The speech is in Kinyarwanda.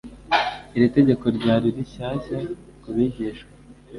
Iri tegeko ryari rishyashya ku bigishwa